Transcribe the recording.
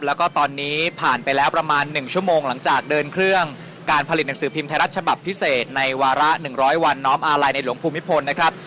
แล้วก็ตอนนี้ผ่านไปแล้วประมาณ๑ชั่วโมงหลังจากเดินเครื่องการผลิตหนังสือพิมพ์ไทยรัฐฉบับพิเศษในวาระ๑๐๐วันน้อมอาลัยในหลวงภูมิพลนะครับ